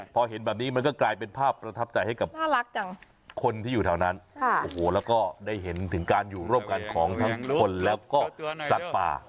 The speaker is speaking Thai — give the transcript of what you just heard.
พอเห็นแบบนี้มันก็กลายเป็นภาพประทับใจให้กับคนที่อยู่แถวนั้นโอ้โหแล้วก็ได้เห็นถึงการอยู่ร่วมกันของทั้งคนแล้วก็สัตว์ป่า